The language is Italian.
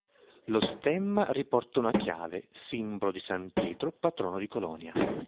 Lo stemma riporta una chiave, simbolo di san Pietro, patrono di Colonia.